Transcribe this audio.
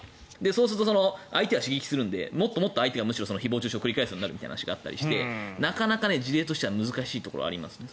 そうすると相手は刺激するのでもっともっと相手が誹謗・中傷を繰り返すみたいな話があったりしてなかなか事例としては難しいところがありますね。